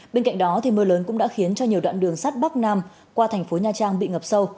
bên cạnh đó mưa lớn cũng đã khiến cho nhiều đoạn đường sắt bắc nam qua thành phố nha trang bị ngập sâu